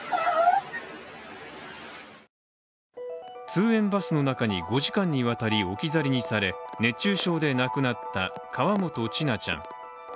通園バスの中に５時間にわたり置き去りにされ熱中症で亡くなった河本千奈ちゃん。